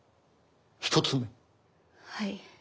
はい。